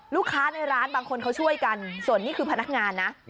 ลูกค้าในร้านบางคนเขาช่วยกันส่วนนี้คือพนักงานนะ